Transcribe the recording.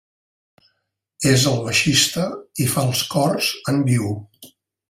És el baixista i fa els cors en viu.